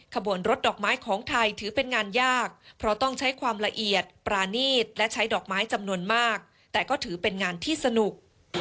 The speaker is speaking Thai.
ขบวนรถดอกไม้ของไทยถือเป็นงานยากเพราะต้องใช้ความละเอียดปรานีตและใช้ดอกไม้จำนวนมากแต่ก็ถือเป็นงานที่สนุก